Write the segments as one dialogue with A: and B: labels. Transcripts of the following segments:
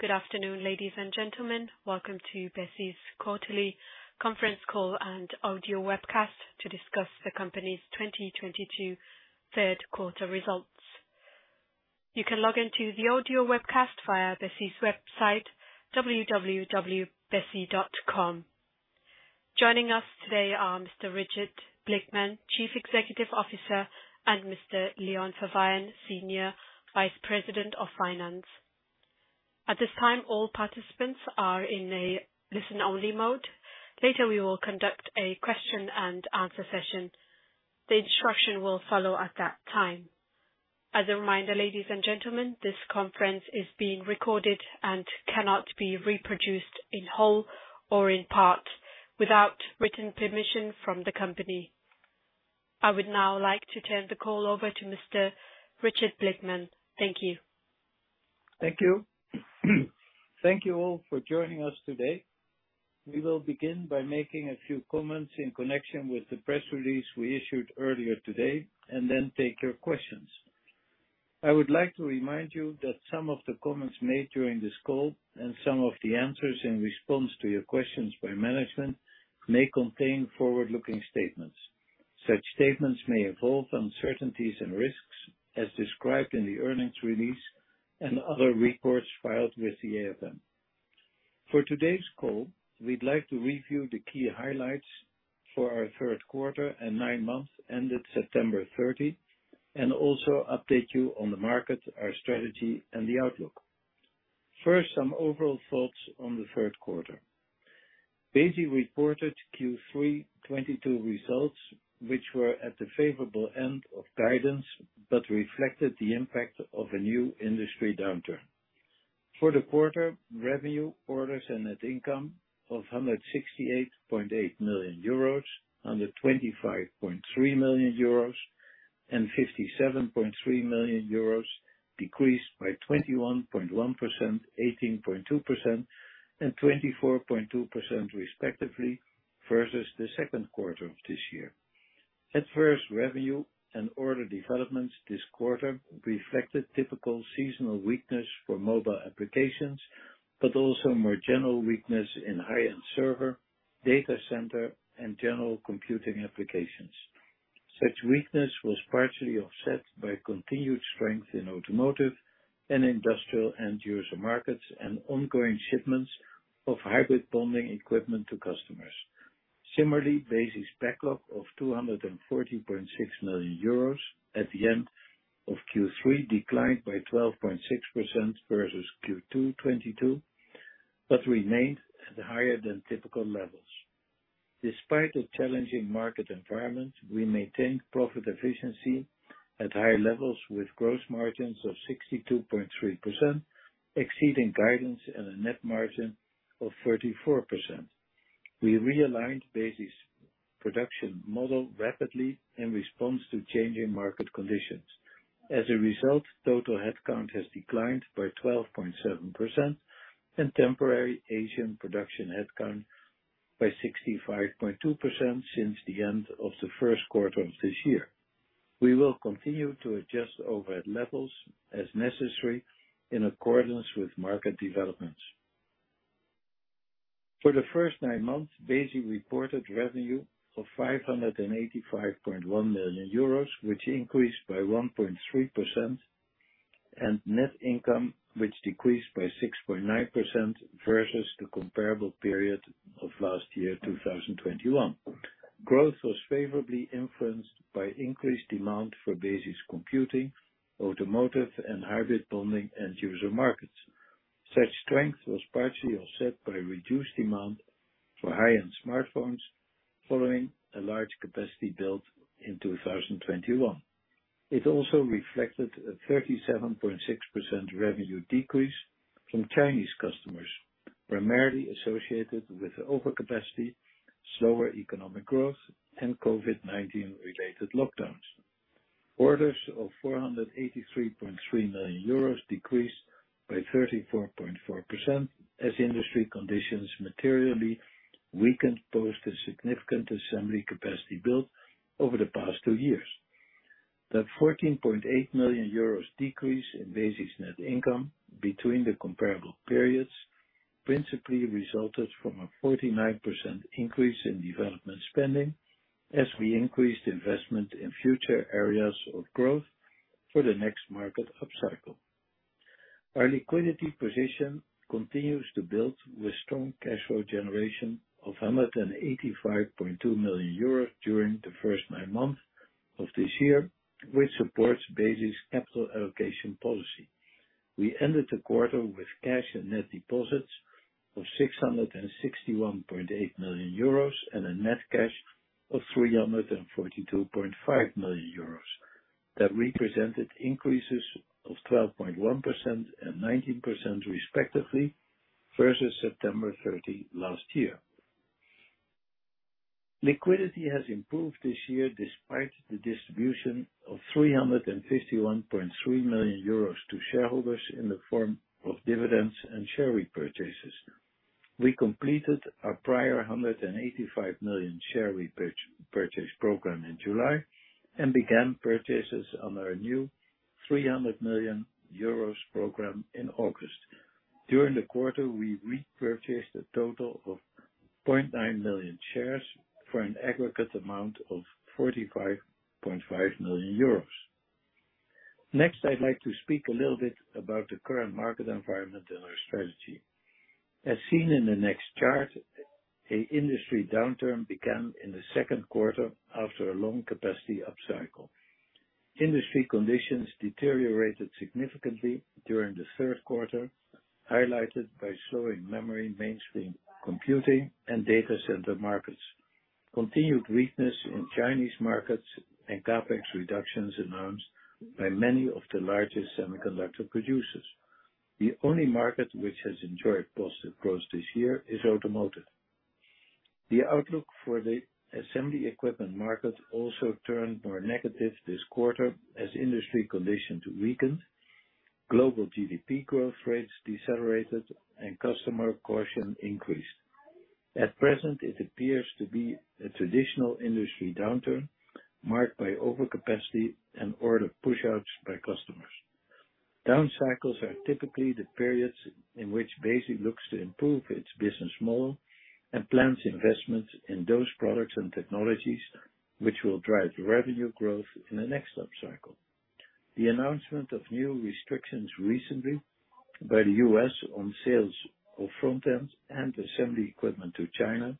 A: Good afternoon, ladies and gentlemen. Welcome to Besi's Quarterly Conference Call and Audio Webcast to discuss the company's 2022 third quarter results. You can log into the audio webcast via Besi's website, www.besi.com. Joining us today are Mr. Richard Blickman, Chief Executive Officer, and Mr. Andrea Kopp-Battaglia, Senior Vice President of Finance. At this time, all participants are in a listen-only mode. Later, we will conduct a question-and-answer session. The instruction will follow at that time. As a reminder, ladies and gentlemen, this conference is being recorded and cannot be reproduced in whole or in part without written permission from the company. I would now like to turn the call over to Mr. Richard Blickman. Thank you.
B: Thank you. Thank you all for joining us today. We will begin by making a few comments in connection with the press release we issued earlier today and then take your questions. I would like to remind you that some of the comments made during this call, and some of the answers in response to your questions by management, may contain forward-looking statements. Such statements may involve uncertainties and risks as described in the earnings release and other reports filed with the AFM. For today's call, we'd like to review the key highlights for our third quarter and nine months ended September 30, and also update you on the market, our strategy, and the outlook. First, some overall thoughts on the third quarter. Besi reported Q3 2022 results, which were at the favorable end of guidance but reflected the impact of a new industry downturn. For the quarter, revenue, orders, and net income of 168.8 million euros, 125.3 million euros, and 57.3 million euros decreased by 21.1%, 18.2%, and 24.2% respectively versus the second quarter of this year. At first, revenue and order developments this quarter reflected typical seasonal weakness for mobile applications, but also more general weakness in high-end server, data center, and general computing applications. Such weakness was partially offset by continued strength in automotive and industrial end user markets and ongoing shipments of hybrid bonding equipment to customers. Similarly, Besi's backlog of 240.6 million euros at the end of Q3 declined by 12.6% versus Q2 2022, but remained at higher than typical levels. Despite a challenging market environment, we maintained profit efficiency at higher levels with gross margins of 62.3%, exceeding guidance and a net margin of 34%. We realigned Besi's production model rapidly in response to changing market conditions. As a result, total headcount has declined by 12.7% and temporary Asian production headcount by 65.2% since the end of the first quarter of this year. We will continue to adjust overhead levels as necessary in accordance with market developments. For the first nine months, Besi reported revenue of 585.1 million euros, which increased by 1.3%, and net income, which decreased by 6.9% versus the comparable period of last year, 2021. Growth was favorably influenced by increased demand for Besi's computing, automotive, and hybrid bonding end user markets. Such strength was partially offset by reduced demand for high-end smartphones following a large capacity build in 2021. It also reflected a 37.6% revenue decrease from Chinese customers, primarily associated with overcapacity, slower economic growth, and COVID-19 related lockdowns. Orders of 483.3 million euros decreased by 34.4% as industry conditions materially weakened post a significant assembly capacity build over the past two years. That 14.8 million euros decrease in Besi's net income between the comparable periods principally resulted from a 49% increase in development spending as we increased investment in future areas of growth for the next market upcycle. Our liquidity position continues to build with strong cash flow generation of 185.2 million euros during the first nine months of this year, which supports Besi's capital allocation policy. We ended the quarter with cash and net deposits of 661.8 million euros and a net cash of 342.5 million euros. That represented increases of 12.1% and 19% respectively versus September 30 last year. Liquidity has improved this year despite the distribution of 351.3 million euros to shareholders in the form of dividends and share repurchases. We completed our prior 185 million share repurchase program in July and began purchases on our new 300 million euros program in August. During the quarter, we repurchased a total of 0.9 million shares for an aggregate amount of 45.5 million euros. Next, I'd like to speak a little bit about the current market environment and our strategy. As seen in the next chart, an industry downturn began in the second quarter after a long capacity upcycle. Industry conditions deteriorated significantly during the third quarter, highlighted by slowing memory, mainstream computing, and data center markets, continued weakness in Chinese markets and CapEx reductions announced by many of the largest semiconductor producers. The only market which has enjoyed positive growth this year is automotive. The outlook for the assembly equipment market also turned more negative this quarter as industry conditions weakened, global GDP growth rates decelerated, and customer caution increased. At present, it appears to be a traditional industry downturn marked by overcapacity and order pushouts by customers. Down cycles are typically the periods in which Besi looks to improve its business model and plans investments in those products and technologies which will drive revenue growth in the next upcycle. The announcement of new restrictions recently by the U.S. on sales of front-end and assembly equipment to China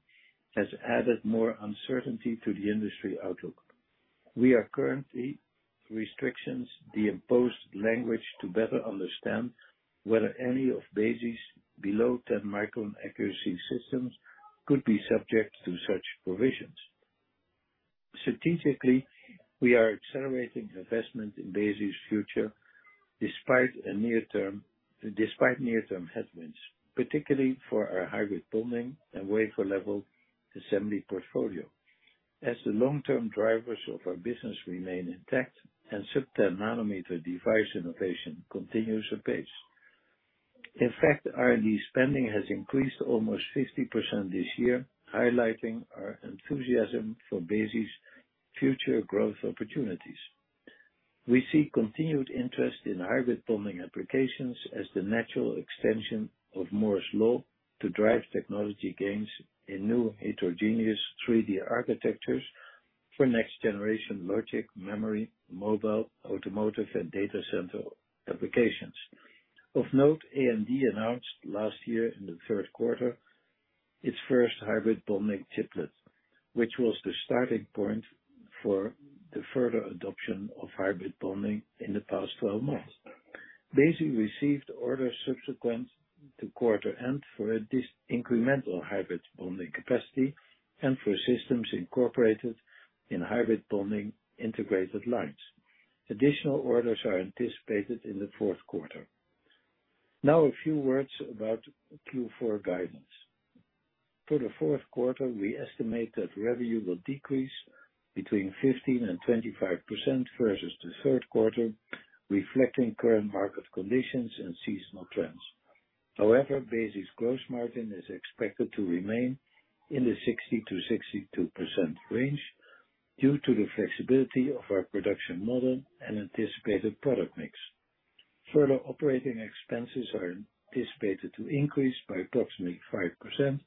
B: has added more uncertainty to the industry outlook. We are currently reviewing the imposed language to better understand whether any of Besi's below 10 micron accuracy systems could be subject to such provisions. Strategically, we are accelerating investment in Besi's future despite near-term headwinds, particularly for our hybrid bonding and wafer-level assembly portfolio. As the long-term drivers of our business remain intact and sub-10 nanometer device innovation continues apace. In fact, R&D spending has increased almost 50% this year, highlighting our enthusiasm for Besi's future growth opportunities. We see continued interest in hybrid bonding applications as the natural extension of Moore's Law to drive technology gains in new heterogeneous 3D architectures for next-generation logic, memory, mobile, automotive, and data center applications. Of note, AMD announced last year in the third quarter, its first hybrid bonding chiplet, which was the starting point for the further adoption of hybrid bonding in the past 12 months. Besi received orders subsequent to quarter end for this incremental hybrid bonding capacity and for systems incorporated in hybrid bonding integrated lines. Additional orders are anticipated in the fourth quarter. Now a few words about Q4 guidance. For the fourth quarter, we estimate that revenue will decrease between 15% and 25% versus the third quarter, reflecting current market conditions and seasonal trends. However, Besi's gross margin is expected to remain in the 60%-62% range due to the flexibility of our production model and anticipated product mix. Further operating expenses are anticipated to increase by approximately 5%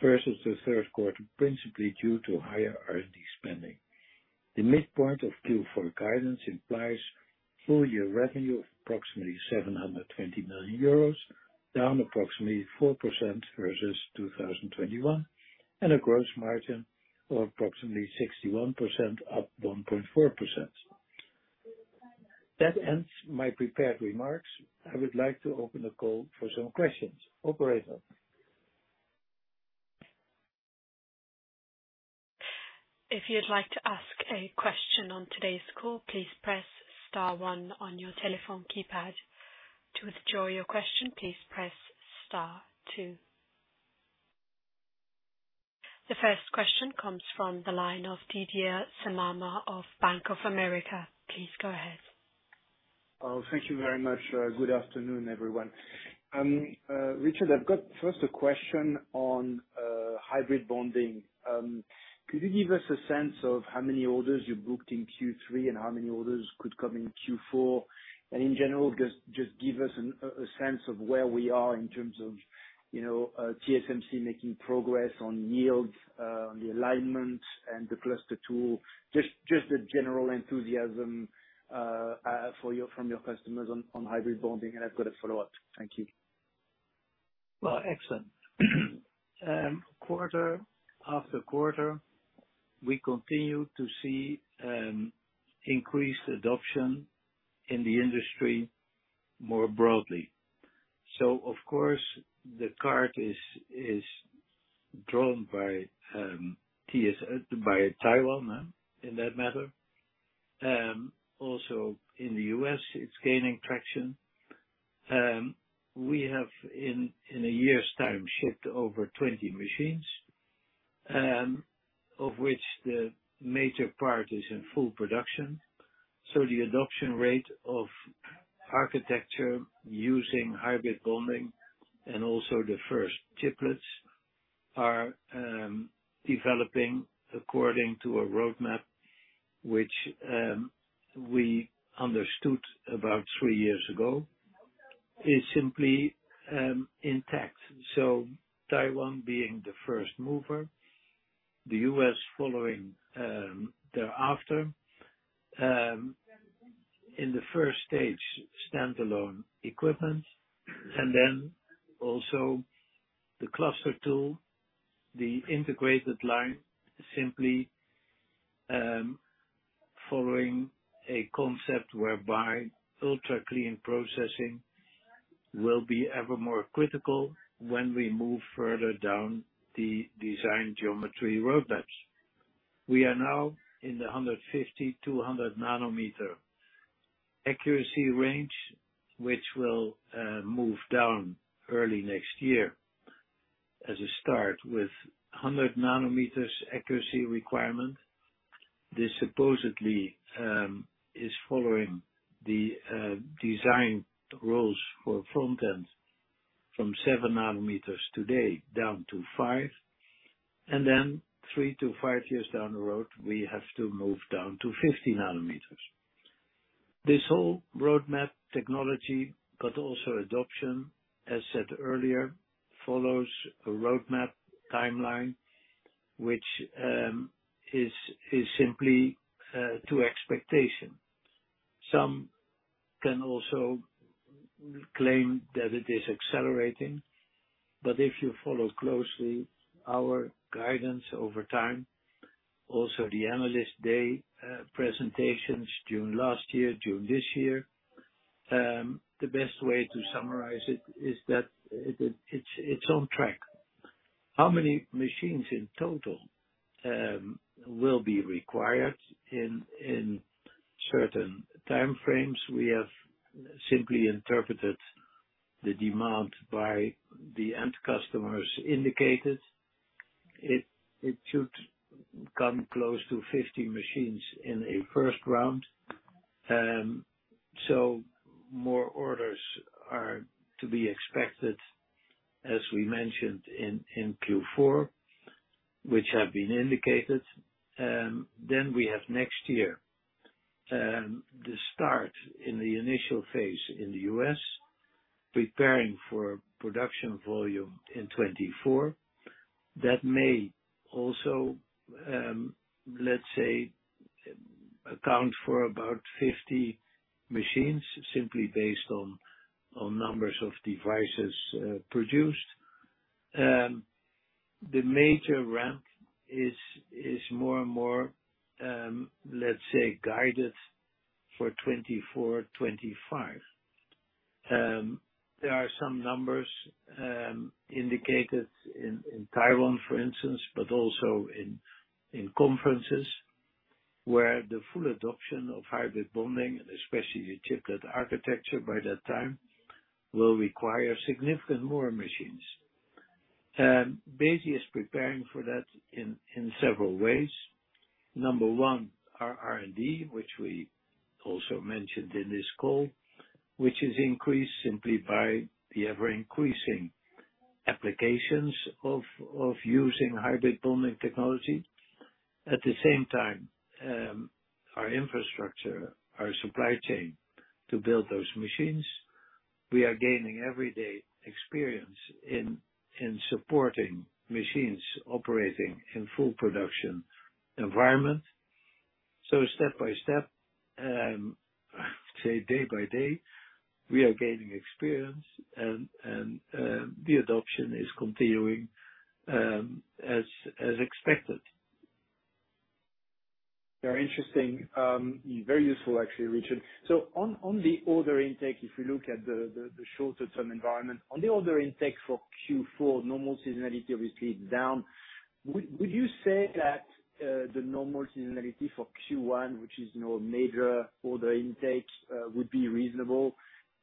B: versus the third quarter, principally due to higher R&D spending. The midpoint of Q4 guidance implies full-year revenue of approximately 720 million euros, down approximately 4% versus 2021, and a gross margin of approximately 61%, up 1.4%. That ends my prepared remarks. I would like to open the call for some questions. Operator.
A: If you'd like to ask a question on today's call, please press star one on your telephone keypad. To withdraw your question, please press star two. The first question comes from the line of Didier Scemama of Bank of America. Please go ahead.
C: Oh, thank you very much. Good afternoon, everyone. Richard, I've got first a question on hybrid bonding. Could you give us a sense of how many orders you booked in Q3 and how many orders could come in Q4? In general, just give us a sense of where we are in terms of, you know, TSMC making progress on yields, on the alignment and the cluster tool. Just the general enthusiasm from your customers on hybrid bonding, and I've got a follow-up. Thank you.
B: Well, excellent. Quarter after quarter, we continue to see increased adoption in the industry more broadly. Of course, the cart is drawn by Taiwan in that manner. Also in the U.S., it's gaining traction. We have in a year's time shipped over 20 machines, of which the major part is in full production. The adoption rate of architecture using hybrid bonding and also the first chiplets are developing according to a roadmap which we understood about three years ago is simply intact. Taiwan being the first mover, the U.S. Following thereafter in the first stage, standalone equipment, and then also the cluster tool, the integrated line, simply following a concept whereby ultra-clean processing will be ever more critical when we move further down the design geometry roadmaps. We are now in the 150-200 nanometer accuracy range, which will move down early next year as a start with 100 nanometers accuracy requirement. This supposedly is following the design rules for front-end from 7 nanometers today down to 5, and then 3-5 years down the road, we have to move down to 50 nanometers. This whole roadmap technology, but also adoption, as said earlier, follows a roadmap timeline, which is simply to expectation. Some can also claim that it is accelerating, but if you follow closely our guidance over time, also the analyst day presentations, June last year, June this year, the best way to summarize it is that it's on track. How many machines in total will be required in certain time frames, we have simply interpreted the demand by the end customers indicated. It should come close to 50 machines in a first round. More orders are to be expected, as we mentioned in Q4, which have been indicated. Then we have next year, the start in the initial phase in the U.S., preparing for production volume in 2024. That may also, let's say, account for about 50 machines, simply based on numbers of devices produced. The major ramp is more and more, let's say, guided for 2024, 2025. There are some numbers indicated in Taiwan, for instance, but also in conferences, where the full adoption of hybrid bonding, especially the chiplet architecture by that time, will require significant more machines. Besi is preparing for that in several ways. Number one, our R&D, which we also mentioned in this call, which is increased simply by the ever-increasing applications of using hybrid bonding technology. At the same time, our infrastructure, our supply chain to build those machines. We are gaining every day experience in supporting machines operating in full production environment. Step by step, say day by day, we are gaining experience and the adoption is continuing as expected.
C: Very interesting. Very useful actually, Richard. On the order intake, if you look at the shorter term environment, on the order intake for Q4, normal seasonality obviously is down. Would you say that the normal seasonality for Q1, which is no major order intake, would be reasonable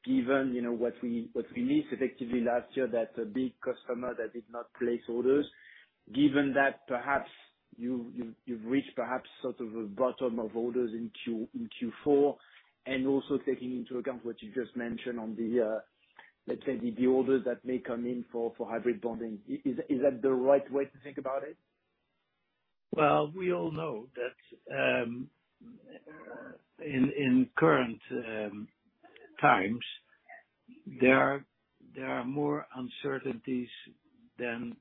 C: given, you know, what we missed effectively last year, that a big customer that did not place orders, given that perhaps you've reached perhaps sort of a bottom of orders in Q4, and also taking into account what you just mentioned on the, let's say the new orders that may come in for hybrid bonding, is that the right way to think about it?
B: Well, we all know that in current times there are more uncertainties than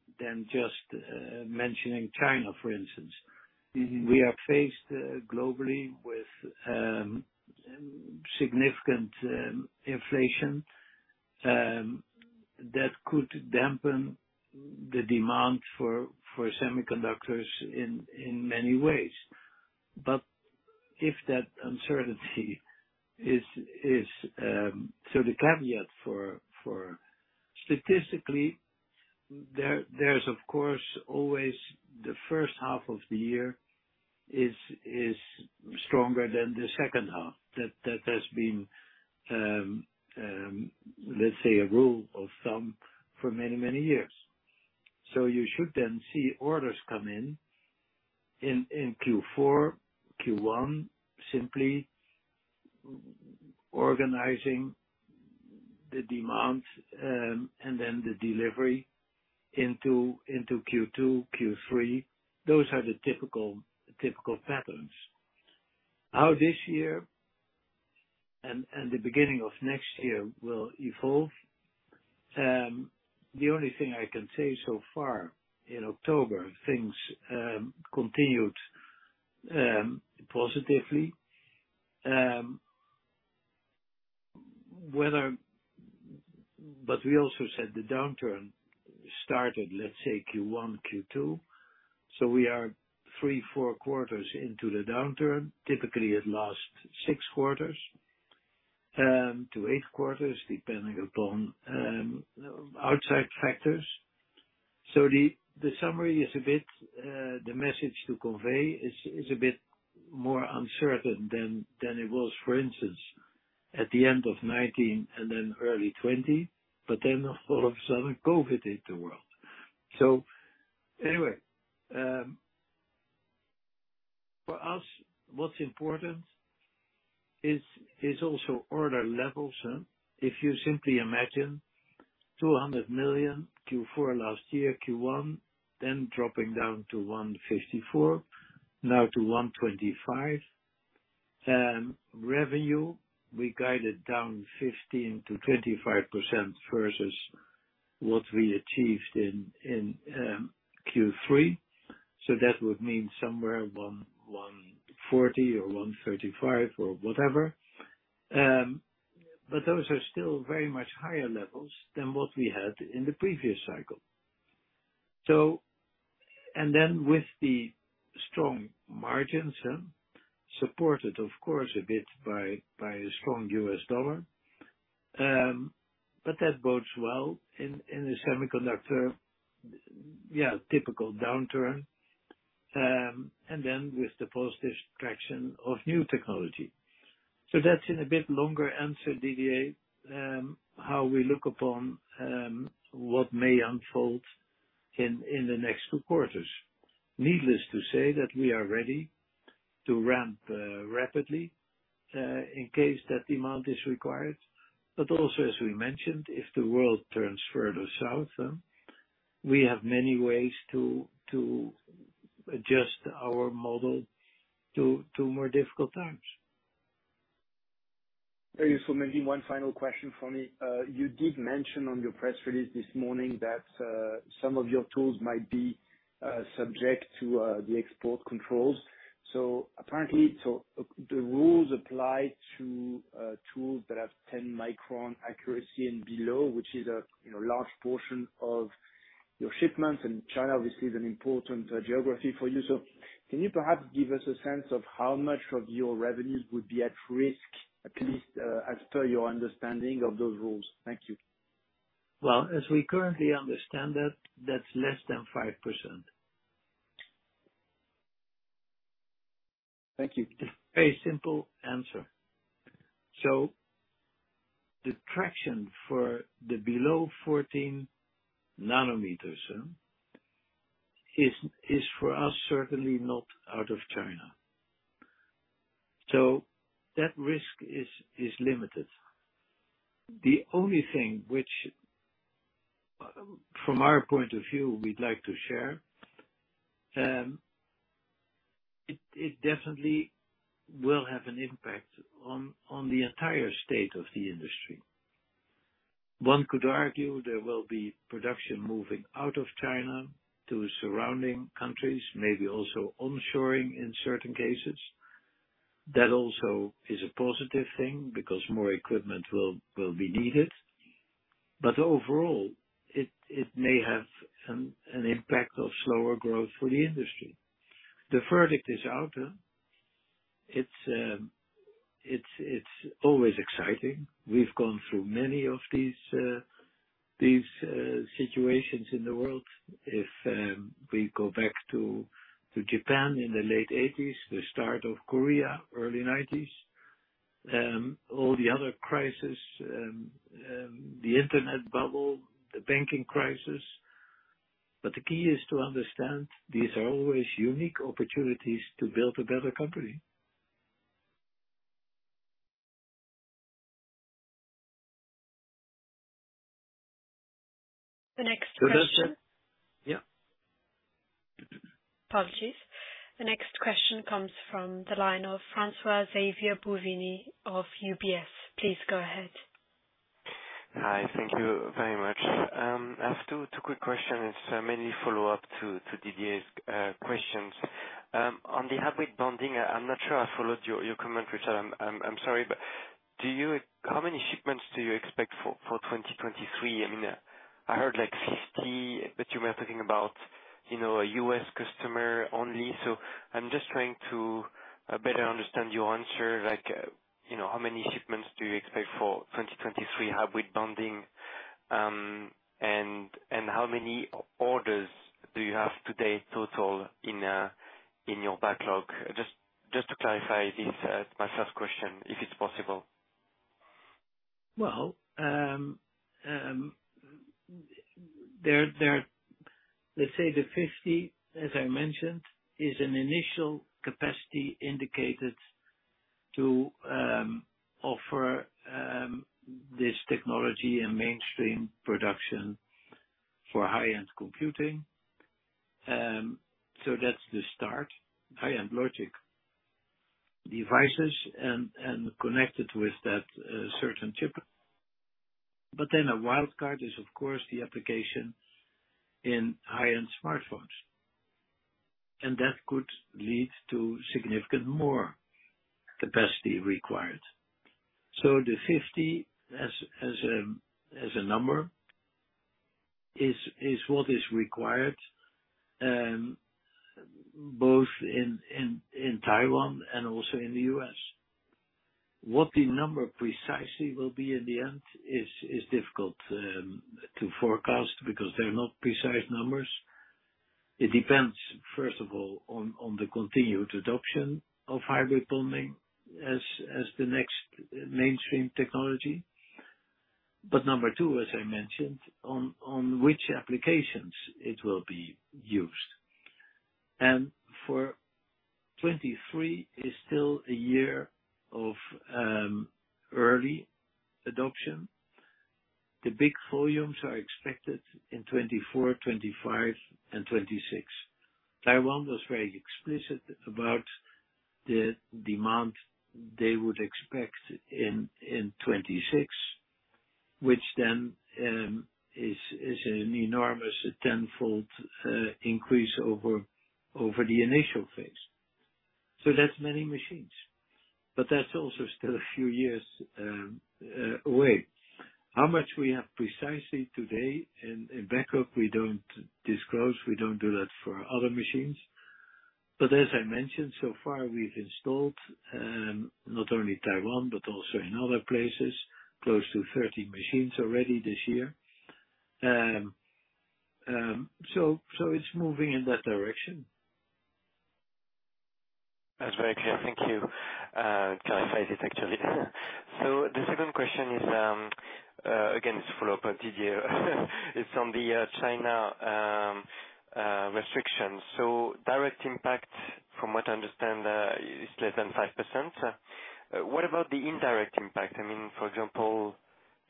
B: just mentioning China, for instance.
C: Mm-hmm.
B: We are faced globally with significant inflation that could dampen the demand for semiconductors in many ways. The caveat seasonally, there's of course always the first half of the year is stronger than the second half. That has been, let's say, a rule of thumb for many years. You should then see orders come in Q4, Q1, simply organizing the demand, and then the delivery into Q2, Q3. Those are the typical patterns. How this year and the beginning of next year will evolve, the only thing I can say so far, in October, things continued positively. We also said the downturn started, let's say, Q1, Q2, so we are three, four quarters into the downturn. Typically it lasts six quarters to eight quarters, depending upon outside factors. The summary is a bit, the message to convey is a bit more uncertain than it was, for instance, at the end of 2019 and then early 2020, but then all of a sudden COVID hit the world. For us, what's important is also order levels. If you simply imagine 200 million Q4 last year, Q1, then dropping down to 154 million, now to 125 million. Revenue we guided down 15%-25% versus what we achieved in Q3, so that would mean somewhere 140 or 135 or whatever. But those are still very much higher levels than what we had in the previous cycle. With the strong margins, supported of course a bit by a strong U.S. dollar. That bodes well in the semiconductor typical downturn. With the positive traction of new technology. That's a bit longer answer, Didier, how we look upon what may unfold in the next two quarters. Needless to say that we are ready to ramp rapidly in case that demand is required. Also, as we mentioned, if the world turns further south, we have many ways to adjust our model to more difficult times.
C: Very useful. Maybe one final question for me. You did mention on your press release this morning that some of your tools might be subject to the export controls. Apparently, the rules apply to tools that have 10-micron accuracy and below, which is a you know large portion of your shipments, and China obviously is an important geography for you. So can you perhaps give us a sense of how much of your revenues would be at risk, at least, as per your understanding of those rules? Thank you.
B: Well, as we currently understand that's less than 5%.
C: Thank you.
B: It's a very simple answer. The traction for the below 14 nanometers is for us certainly not out of China. That risk is limited. The only thing which, from our point of view, we'd like to share. It definitely will have an impact on the entire state of the industry. One could argue there will be production moving out of China to surrounding countries, maybe also onshoring in certain cases. That also is a positive thing because more equipment will be needed. Overall, it may have an impact of slower growth for the industry. The verdict is out. It's always exciting. We've gone through many of these situations in the world. If we go back to Japan in the late eighties, the start of Korea, early nineties, all the other crises, the internet bubble, the banking crisis. The key is to understand these are always unique opportunities to build a better company.
A: The next question-
B: Yeah.
A: Apologies. The next question comes from the line of François-Xavier Bouvignies of UBS. Please go ahead.
D: Hi. Thank you very much. I have two quick questions, mainly follow-up to Didier's questions. On the hybrid bonding, I'm not sure I followed your comment, Richard. I'm sorry, but how many shipments do you expect for 2023? I mean, I heard like 50, but you were talking about, you know, a U.S. customer only. I'm just trying to better understand your answer. Like, you know, how many shipments do you expect for 2023 hybrid bonding? And how many orders do you have today total in your backlog? Just to clarify this, my first question, if it's possible.
B: Well, let's say the 50, as I mentioned, is an initial capacity indicated to offer this technology in mainstream production for high-end computing. That's the start, high-end logic devices and connected with that, certain chip. Then a wildcard is of course the application in high-end smartphones, and that could lead to significantly more capacity required. The 50 as a number is what is required, both in Taiwan and also in the U.S. What the number precisely will be in the end is difficult to forecast because they're not precise numbers. It depends, first of all, on the continued adoption of hybrid bonding as the next mainstream technology. Number two, as I mentioned, on which applications it will be used. 2023 is still a year of early adoption. The big volumes are expected in 2024, 2025, and 2026. Taiwan was very explicit about the demand they would expect in 2026, which then is an enormous tenfold increase over the initial phase. That's many machines, but that's also still a few years away. How much we have precisely today in backlog, we don't disclose. We don't do that for other machines. As I mentioned, so far, we've installed not only Taiwan but also in other places, close to 30 machines already this year. It's moving in that direction.
D: That's very clear. Thank you. Clarifies it actually. The second question is, again, it's follow-up on Didier. It's on the China restrictions. Direct impact from what I understand is less than 5%. What about the indirect impact? I mean, for example,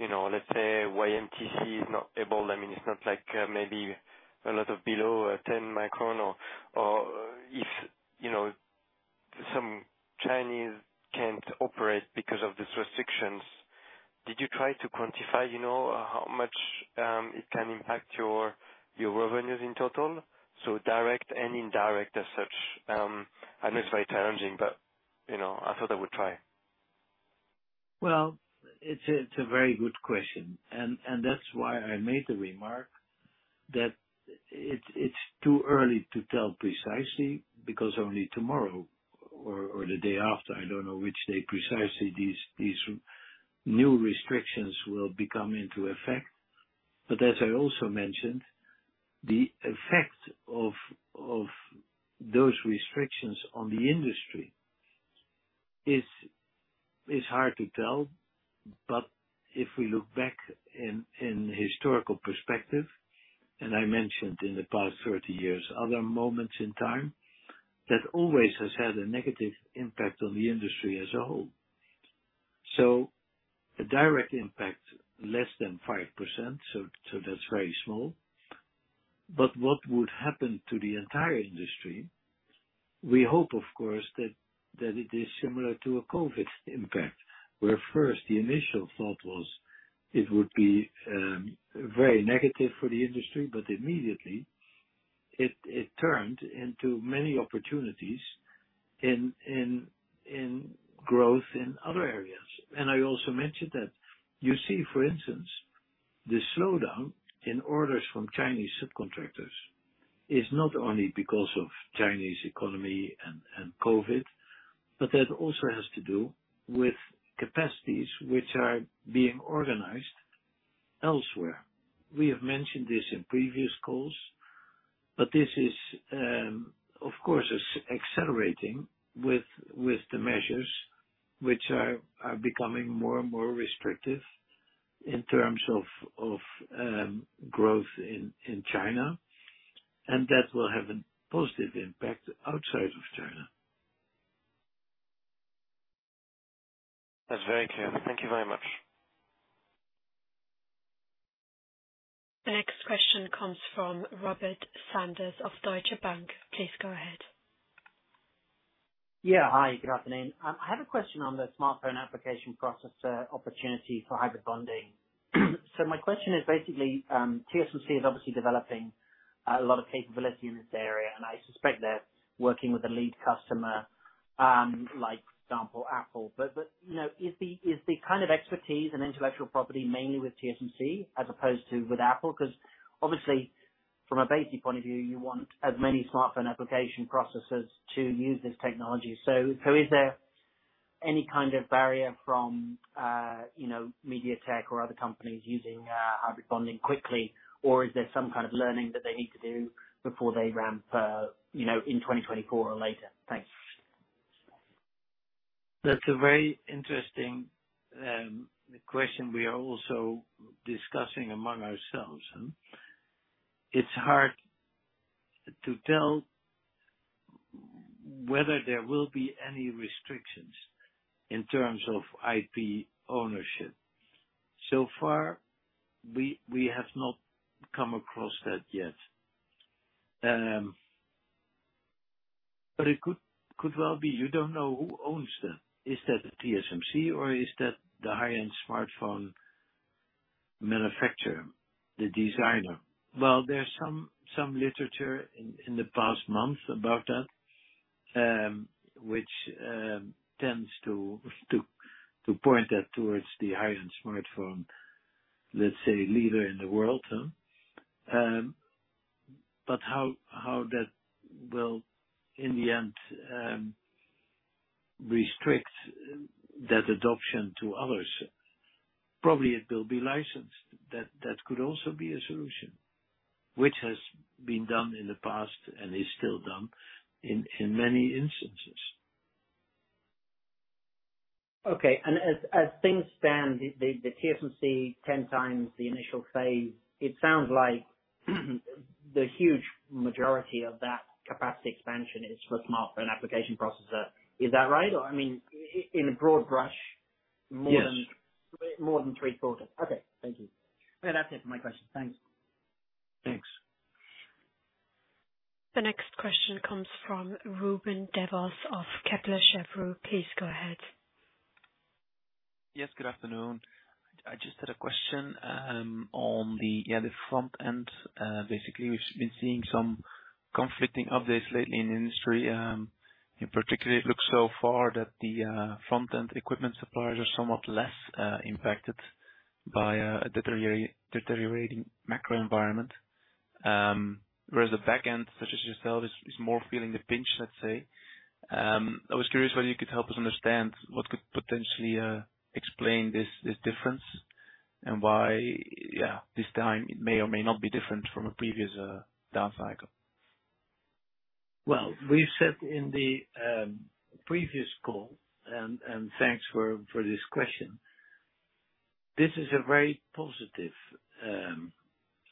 D: you know, let's say YMTC is not able, I mean, it's not like maybe a lot of below 10 micron or if, you know, some Chinese can't operate because of these restrictions. Did you try to quantify, you know, how much it can impact your revenues in total, so direct and indirect as such? I know it's very challenging, but, you know, I thought I would try.
B: Well, it's a very good question. That's why I made the remark that it's too early to tell precisely because only tomorrow or the day after, I don't know which day precisely these new restrictions will be coming into effect. As I also mentioned, the effect of those restrictions on the industry is hard to tell. If we look back in historical perspective, and I mentioned in the past 30 years, other moments in time, that always has had a negative impact on the industry as a whole. The direct impact, less than 5%, that's very small. What would happen to the entire industry, we hope of course that it is similar to a COVID impact, where first the initial thought was it would be very negative for the industry, but immediately it turned into many opportunities in growth in other areas. I also mentioned that you see, for instance, the slowdown in orders from Chinese subcontractors is not only because of Chinese economy and COVID, but that also has to do with capacities which are being organized elsewhere. We have mentioned this in previous calls, but this is, of course, accelerating with the measures which are becoming more and more restrictive in terms of growth in China, and that will have a positive impact outside of China.
D: That's very clear. Thank you very much.
A: The next question comes from Robert Sanders of Deutsche Bank. Please go ahead.
E: Yeah. Hi, good afternoon. I have a question on the smartphone application processor opportunity for hybrid bonding. My question is basically, TSMC is obviously developing a lot of capability in this area, and I suspect they're working with a lead customer, like for example, Apple. But you know, is the kind of expertise and intellectual property mainly with TSMC as opposed to with Apple? Because obviously, from a basic point of view, you want as many smartphone application processors to use this technology. Is there any kind of barrier from, you know, MediaTek or other companies using hybrid bonding quickly, or is there some kind of learning that they need to do before they ramp, you know, in 2024 or later? Thanks.
B: That's a very interesting question we are also discussing among ourselves, and it's hard to tell whether there will be any restrictions in terms of IP ownership. So far, we have not come across that yet. It could well be. You don't know who owns that. Is that a TSMC, or is that the high-end smartphone manufacturer, the designer? Well, there's some literature in the past month about that, which tends to point that towards the high-end smartphone, let's say, leader in the world, huh. How that will, in the end, restrict that adoption to others? Probably it will be licensed. That could also be a solution which has been done in the past and is still done in many instances.
E: Okay. As things stand, the TSMC 10 nm initial phase, it sounds like the huge majority of that capacity expansion is for smartphone application processor. Is that right? Or I mean, in a broad brush-
B: Yes
E: ...more than three-quarters. Okay. Thank you. Well, that's it for my questions. Thanks.
B: Thanks.
A: The next question comes from Ruben Devos of Kepler Cheuvreux. Please go ahead.
F: Yes, good afternoon. I just had a question on the front-end. Basically, we've been seeing some conflicting updates lately in the industry. In particular, it looks so far that the front-end equipment suppliers are somewhat less impacted by a deteriorating macro environment, whereas the back end, such as yourself, is more feeling the pinch, let's say. I was curious whether you could help us understand what could potentially explain this difference and why this time it may or may not be different from a previous down cycle.
B: Well, we said in the previous call, and thanks for this question. This is a very positive,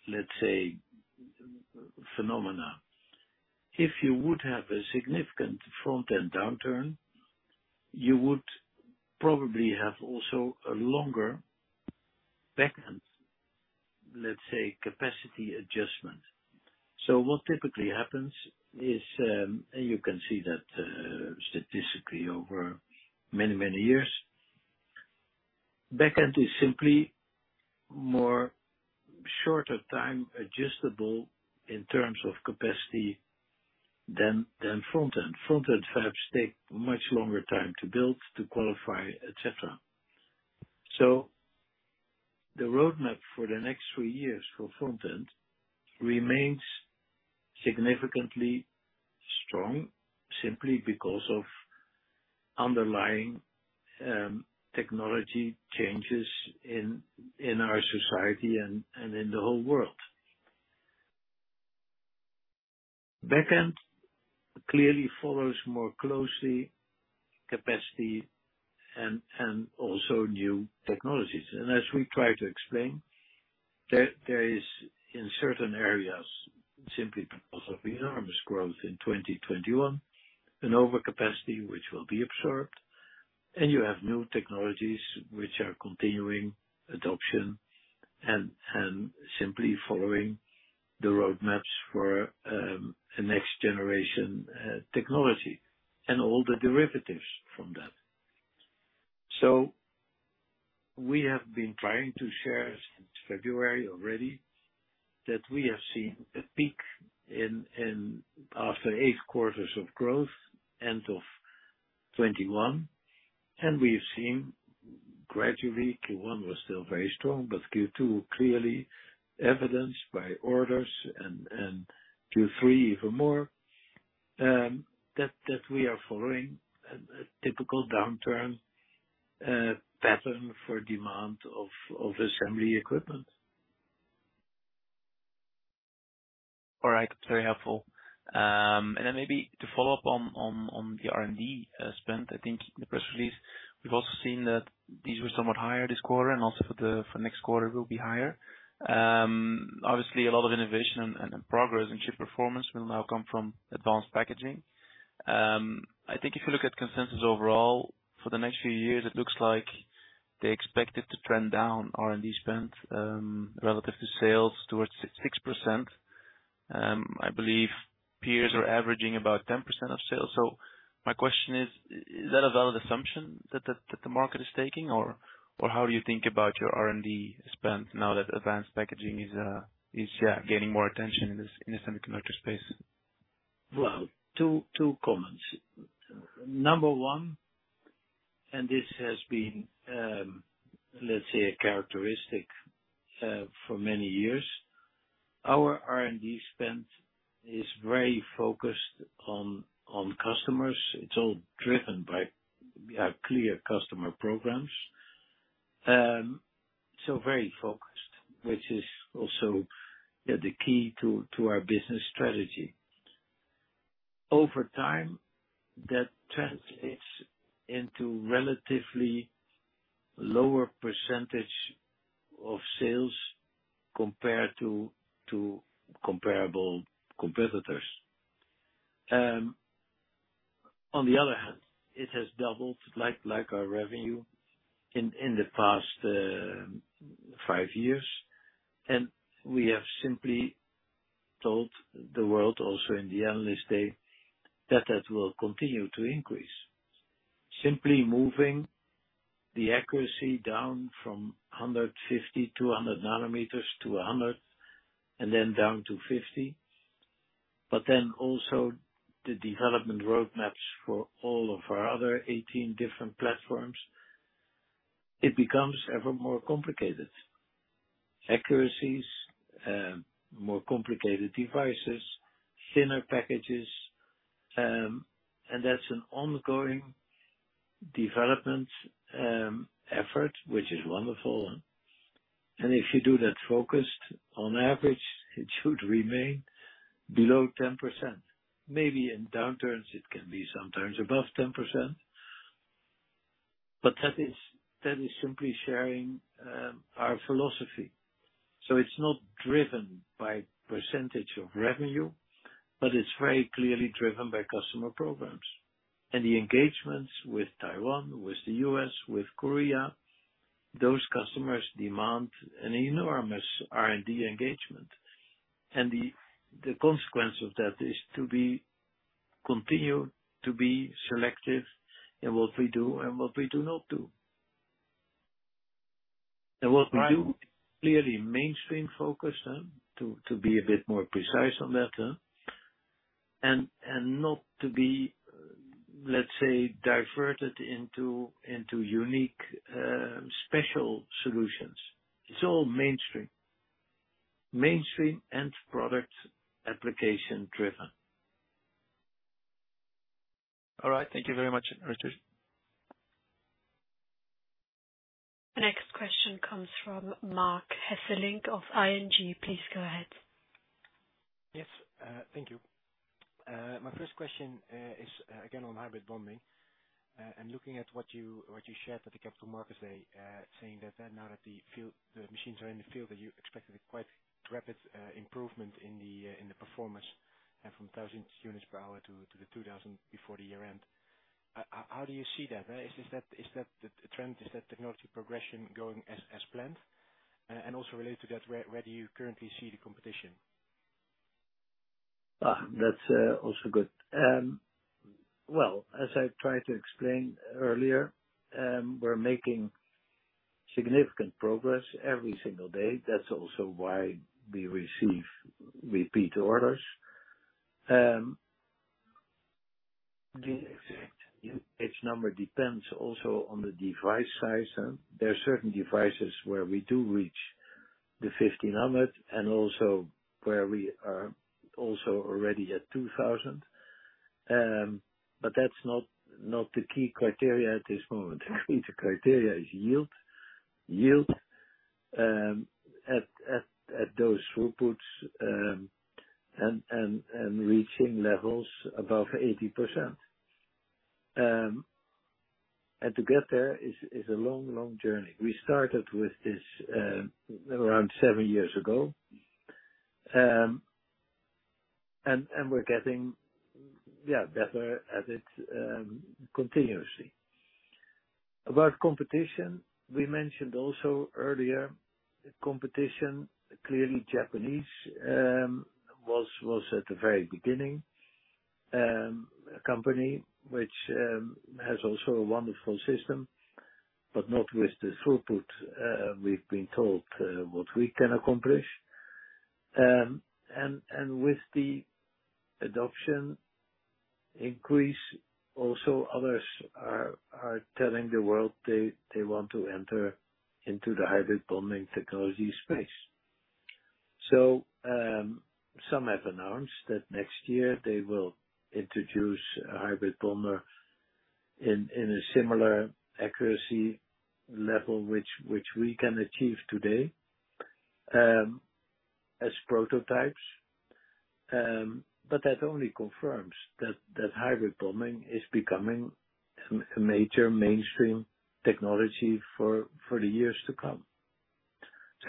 B: let's say, phenomenon. If you would have a significant front-end downturn, you would probably have also a longer back end, let's say, capacity adjustment. What typically happens is, and you can see that, statistically over many, many years. Back end is simply more shorter time adjustable in terms of capacity than front end. Front-end fabs take much longer time to build, to qualify, et cetera. The roadmap for the next three years for front end remains significantly strong simply because of underlying technology changes in our society and in the whole world. Back end clearly follows more closely capacity and also new technologies. As we try to explain, there is, in certain areas, simply because of enormous growth in 2021, an overcapacity which will be absorbed, and you have new technologies which are continuing adoption and simply following the roadmaps for a next-generation technology and all the derivatives from that. We have been trying to share since February already that we have seen a peak in after eight quarters of growth, end of 2021, and we've seen gradually, Q1 was still very strong, but Q2 clearly evidenced by orders and Q3 even more, that we are following a typical downturn pattern for demand of assembly equipment.
F: All right. That's very helpful. Maybe to follow up on the R&D spend, I think the press release, we've also seen that these were somewhat higher this quarter and also for next quarter will be higher. Obviously a lot of innovation and progress and chip performance will now come from advanced packaging. I think if you look at consensus overall for the next few years, it looks like they expect it to trend down R&D spend relative to sales towards 6%. I believe peers are averaging about 10% of sales. My question is that a valid assumption that the market is taking, or how do you think about your R&D spend now that advanced packaging is gaining more attention in the semiconductor space?
B: Well, two comments. Number one. This has been, let's say, a characteristic for many years. Our R&D spend is very focused on customers. It's all driven by our clear customer programs. So very focused, which is also the key to our business strategy. Over time, that translates into relatively lower percentage of sales compared to comparable competitors. On the other hand, it has doubled, like our revenue in the past five years. We have simply told the world also in the Analyst Day that will continue to increase. Simply moving the accuracy down from 150 to 100 nanometers to 100 and then down to 50. Also the development roadmaps for all of our other 18 different platforms. It becomes ever more complicated. Accuracies, more complicated devices, thinner packages, and that's an ongoing development, effort, which is wonderful. If you do that focused, on average, it should remain below 10%. Maybe in downturns it can be sometimes above 10%. That is simply sharing our philosophy. It's not driven by percentage of revenue, but it's very clearly driven by customer programs. The engagements with Taiwan, with the U.S., with Korea, those customers demand an enormous R&D engagement. The consequence of that is to continue to be selective in what we do and what we do not do. What we do, clearly mainstream-focused, to be a bit more precise on that, and not to be, let's say, diverted into unique, special solutions. It's all mainstream. Mainstream and product application-driven.
F: All right. Thank you very much, Richard.
A: The next question comes from Marc Hesselink of ING. Please go ahead.
G: Yes. Thank you. My first question is again on hybrid bonding. Looking at what you shared at the Capital Markets Day, saying that now that the machines are in the field, that you expected a quite rapid improvement in the performance from 1,000 units per hour to 2,000 before the year-end. How do you see that? Is that the trend? Is that technology progression going as planned? Also related to that, where do you currently see the competition?
B: That's also good. Well, as I tried to explain earlier, we're making significant progress every single day. That's also why we receive repeat orders. The exact number depends also on the device size. There are certain devices where we do reach the 1,500 and also where we are also already at 2,000. But that's not the key criterion at this moment. The key criterion is yield. Yield at those throughputs and reaching levels above 80%. To get there is a long journey. We started with this around seven years ago. We're getting better at it continuously. About competition, we mentioned also earlier, competition, clearly Japanese was at the very beginning, a company which has also a wonderful system, but not with the throughput we've been told what we can accomplish. With the adoption increase, also others are telling the world they want to enter into the hybrid bonding technology space. Some have announced that next year they will introduce a hybrid bonder in a similar accuracy level, which we can achieve today, as prototypes. That only confirms that hybrid bonding is becoming a major mainstream technology for the years to come.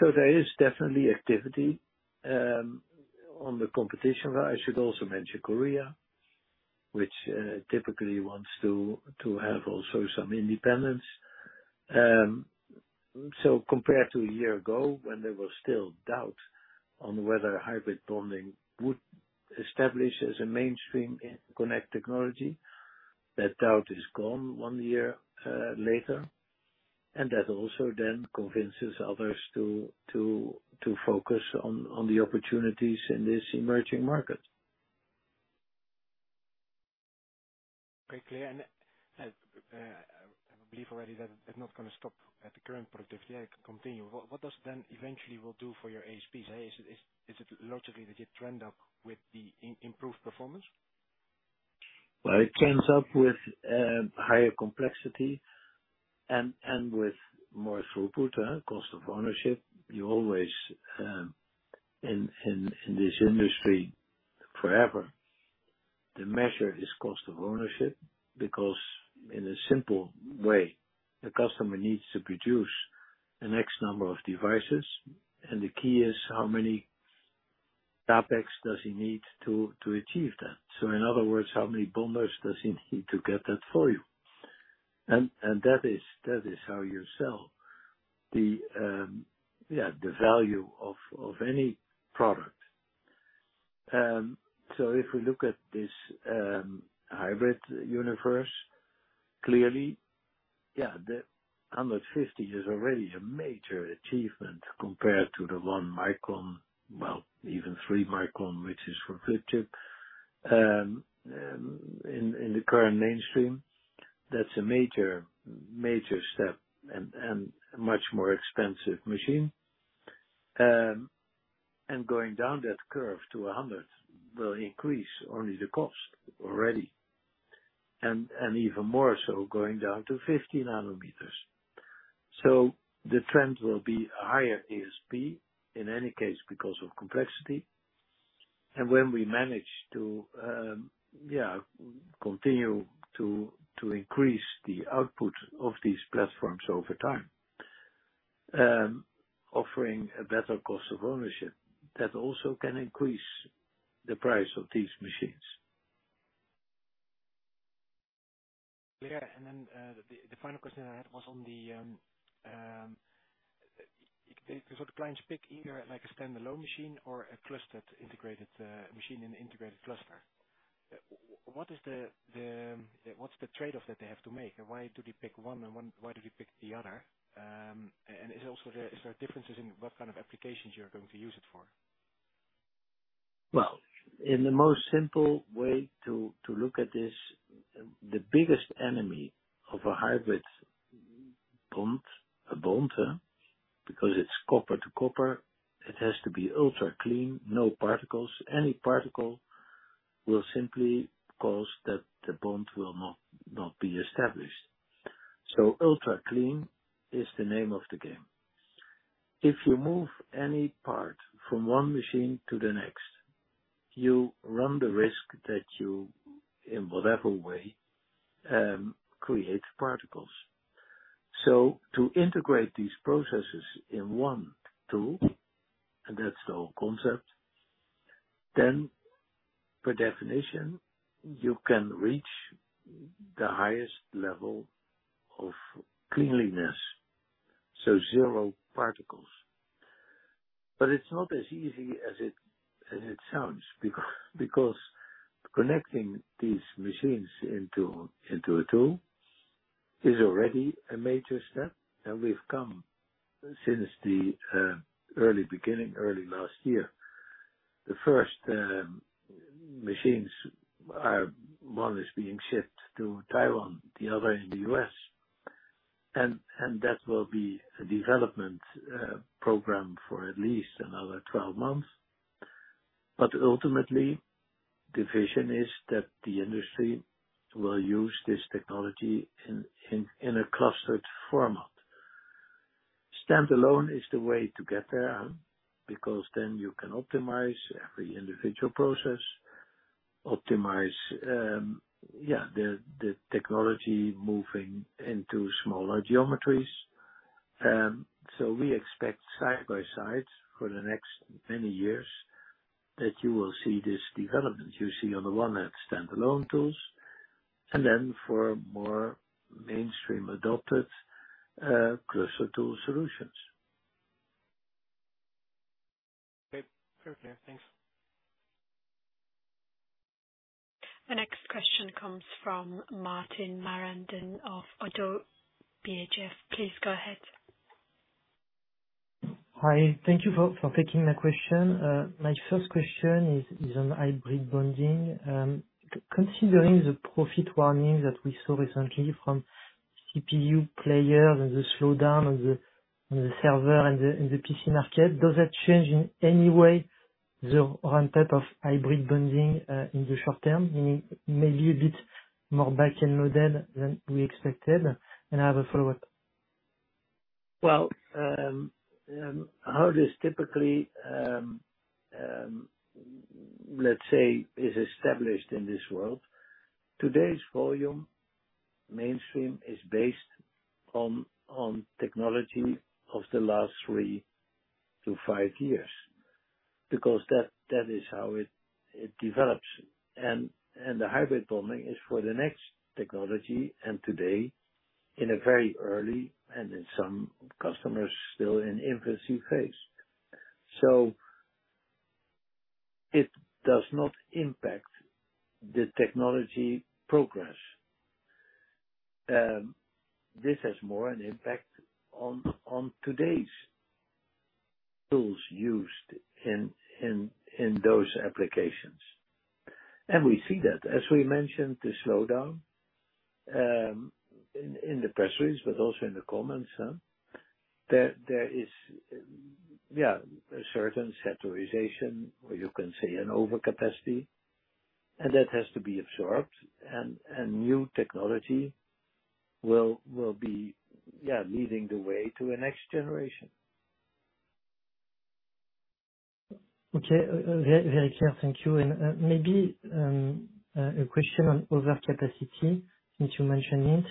B: There is definitely activity on the competition. I should also mention Korea, which typically wants to have also some independence. Compared to a year ago, when there was still doubt on whether hybrid bonding would establish as a mainstream connection technology, that doubt is gone one year later. That also then convinces others to focus on the opportunities in this emerging market.
G: Okay, clear. I believe already that it's not gonna stop at the current productivity, it can continue. What does then eventually will do for your ASPs? Is it logically that you trend up with the improved performance?
B: Well, it trends up with higher complexity and with more throughput, cost of ownership. You always, in this industry forever, the measure is cost of ownership. Because in a simple way, the customer needs to produce an X number of devices, and the key is how many CapEx does he need to achieve that. In other words, how many bonders does he need to get that for you? That is how you sell the, yeah, the value of any product. If we look at this, hybrid universe, clearly, yeah, the 150 is already a major achievement compared to the one micron, well, even three micron, which is for flip chip. In the current mainstream, that's a major step and a much more expensive machine. Going down that curve to 100 will increase only the cost already, and even more so going down to 50 nanometers. The trend will be a higher ASP in any case because of complexity. When we manage to continue to increase the output of these platforms over time, offering a better cost of ownership, that also can increase the price of these machines.
G: Yeah. The final question I had was, so the clients pick either like a standalone machine or a clustered integrated machine in an integrated cluster. What is the trade-off that they have to make, and why do they pick one and the other? Is there also differences in what kind of applications you're going to use it for?
B: Well, in the most simple way to look at this, the biggest enemy of a hybrid bonder, because it's copper to copper, it has to be ultra clean, no particles. Any particle will simply cause that the bond will not be established. Ultra clean is the name of the game. If you move any part from one machine to the next, you run the risk that you, in whatever way, create particles. To integrate these processes in one tool, and that's the whole concept, then by definition, you can reach the highest level of cleanliness, so zero particles. It's not as easy as it sounds because connecting these machines into a tool is already a major step, and we've come since the early beginning, early last year. The first machines are, one is being shipped to Taiwan, the other in the U.S., and that will be a development program for at least another 12 months. Ultimately, the vision is that the industry will use this technology in a clustered format. Standalone is the way to get there, because then you can optimize every individual process, optimize the technology moving into smaller geometries. We expect side by side for the next many years that you will see this development. You see on the one hand standalone tools, and then for more mainstream adopted cluster tool solutions.
G: Okay. Very clear. Thanks.
A: The next question comes from Martin Marandon-Carlhian of Oddo BHF. Please go ahead.
H: Hi. Thank you for taking my question. My first question is on hybrid bonding. Considering the profit warning that we saw recently from CPU players and the slowdown on the server and in the PC market, does that change in any way the ramp-up of hybrid bonding in the short term? Meaning maybe a bit more back-end loaded than we expected. I have a follow-up.
B: Well, how this typically, let's say, is established in this world. Today's volume mainstream is based on technology of the last 3-5 years, because that is how it develops. The hybrid bonding is for the next technology, and today in a very early and in some customers still in infancy phase. It does not impact the technology progress. This has more an impact on today's tools used in those applications. We see that, as we mentioned, the slowdown in the press release, but also in the comments, there is, yeah, a certain saturation or you can say an overcapacity, and that has to be absorbed and new technology will be, yeah, leading the way to a next generation.
H: Okay. Very clear. Thank you. Maybe a question on overcapacity since you mentioned it.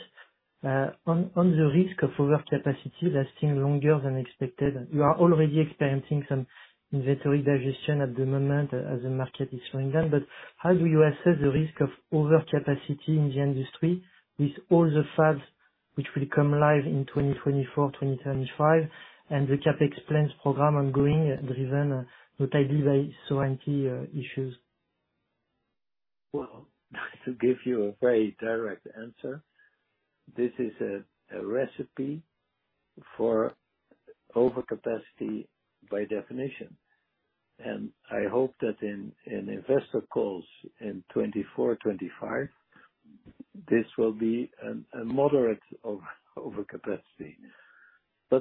H: On the risk of overcapacity lasting longer than expected, you are already experiencing some inventory digestion at the moment as the market is slowing down, but how do you assess the risk of overcapacity in the industry with all the fabs which will come live in 2024, 2025, and the CapEx plans program ongoing, driven notably by sovereignty issues?
B: Well, to give you a very direct answer, this is a recipe for overcapacity by definition, and I hope that in investor calls in 2024, 2025, this will be a moderate overcapacity.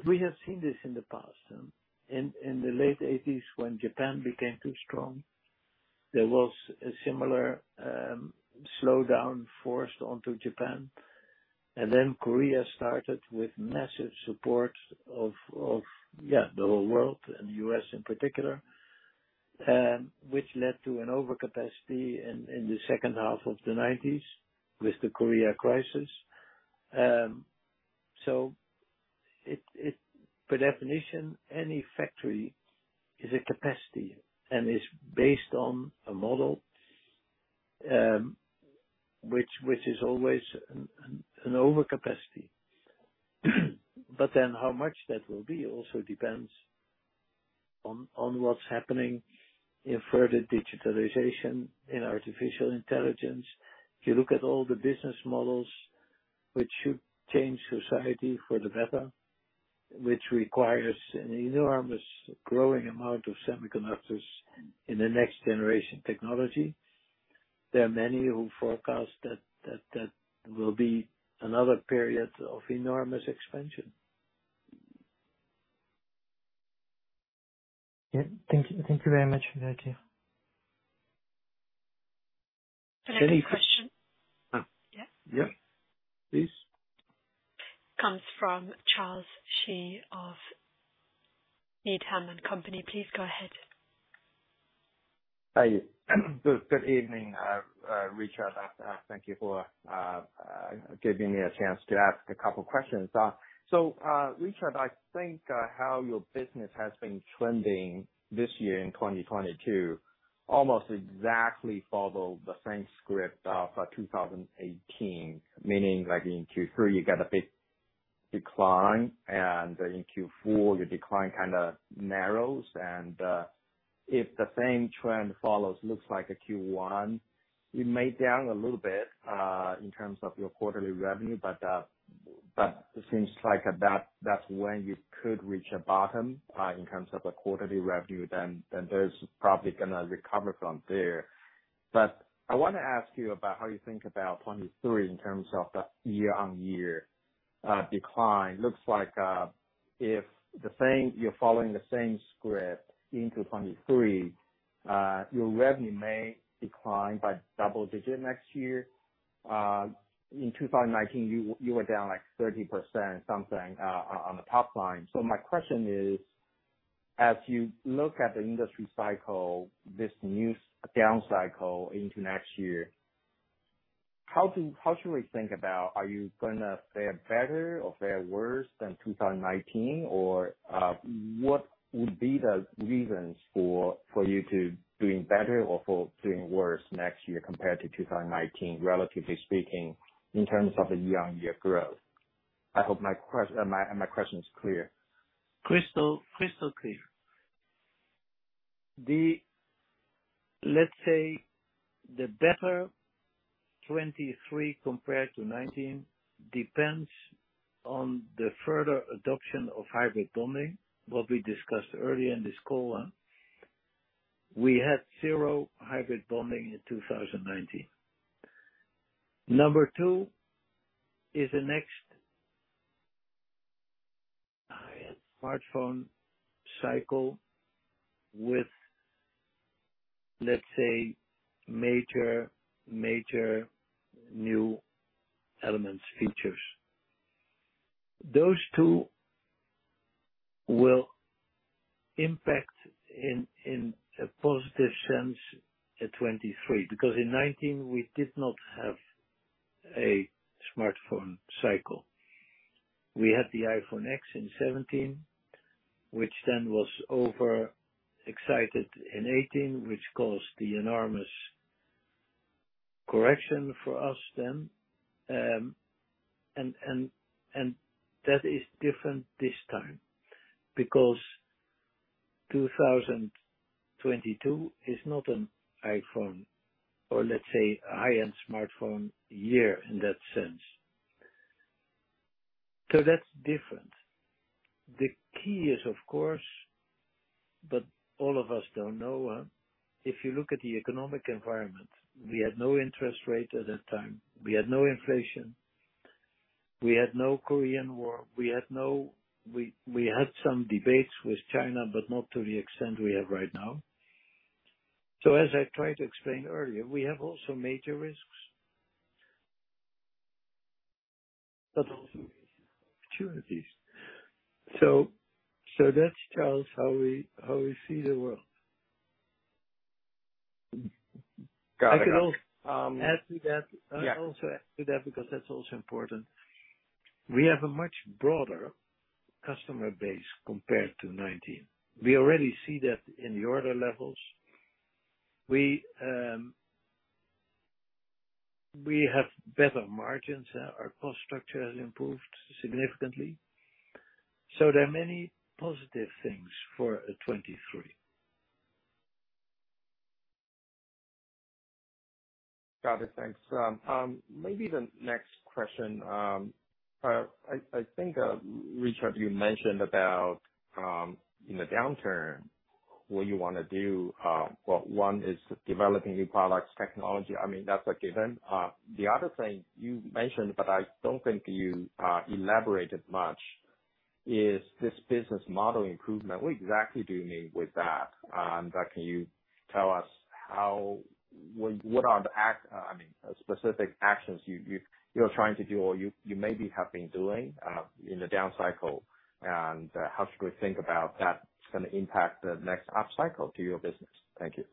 B: We have seen this in the past. In the late 1980s, when Japan became too strong, there was a similar slowdown forced onto Japan. Korea started with massive support of the whole world and U.S. in particular, which led to an overcapacity in the second half of the 1990s with the Korea crisis. By definition, any factory is a capacity and is based on a model, which is always an overcapacity. How much that will be also depends on what's happening in further digitalization, in artificial intelligence. If you look at all the business models, which should change society for the better, which requires an enormous growing amount of semiconductors in the next generation technology, there are many who forecast that will be another period of enormous expansion.
H: Yeah. Thank you. Thank you very much for that too.
B: Any-
A: The next question-
B: Oh.
A: Yeah.
B: Yeah. Please.
A: Comes from Charles Shi of Needham & Company. Please go ahead.
I: Hi. Good evening, Richard. Thank you for giving me a chance to ask a couple questions. Richard, I think how your business has been trending this year in 2022 almost exactly follow the same script for 2018. Meaning, like in Q3, you get a big decline, and in Q4 your decline kind of narrows. If the same trend follows, looks like in Q1, you may down a little bit in terms of your quarterly revenue, but it seems like that's when you could reach a bottom in terms of the quarterly revenue, then there's probably gonna recover from there. I wanna ask you about how you think about 2023 in terms of the year-on-year decline. Looks like, if the same. You're following the same script into 2023, your revenue may decline by double-digit next year. In 2019, you were down like 30% something, on the top line. My question is, as you look at the industry cycle, this new down cycle into next year, how should we think about are you gonna fare better or fare worse than 2019? Or, what would be the reasons for you doing better or doing worse next year compared to 2019, relatively speaking, in terms of year-over-year growth? I hope my question is clear.
B: Crystal clear. Let's say the better 2023 compared to 2019 depends on the further adoption of hybrid bonding, what we discussed earlier in this call on. We had zero hybrid bonding in 2019. Number two is the next smartphone cycle with, let's say, major new elements, features. Those two will impact in a positive sense at 2023, because in 2019 we did not have a smartphone cycle. We had the iPhone X in 2017, which then was overexcited in 2018, which caused the enormous correction for us then. That is different this time because 2022 is not an iPhone or let's say high-end smartphone year in that sense. That's different. The key is of course, but all of us don't know, if you look at the economic environment, we had no interest rate at that time. We had no inflation, we had no Ukraine war, we had some debates with China, but not to the extent we have right now. As I tried to explain earlier, we have also major risks, but also opportunities. That's, Charles, how we see the world.
I: Got it.
B: I could also add to that.
I: Yeah.
B: Also add to that, because that's also important. We have a much broader customer base compared to 2019. We already see that in the order levels. We have better margins. Our cost structure has improved significantly. There are many positive things for 2023.
I: Got it. Thanks. Maybe the next question, I think, Richard, you mentioned about in the downturn, what you wanna do. Well, one is developing new products, technology. I mean, that's a given. The other thing you mentioned, but I don't think you elaborated much, is this business model improvement. What exactly do you mean with that? But can you tell us what are the, I mean, specific actions you're trying to do or you maybe have been doing, in the down cycle? How should we think about that's gonna impact the next upcycle to your business? Thank you.